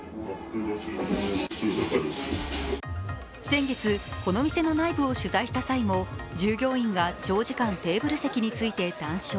先月、この店の内部を取材した際も、従業員が長時間テーブル席について談笑。